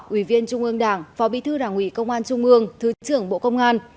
ủy viên trung ương đảng phó bí thư đảng ủy công an trung ương thứ trưởng bộ công an